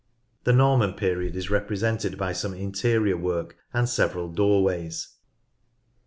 The Norman period is represented by some interior work, and several doorways.